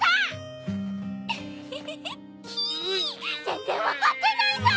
全然分かってないさ！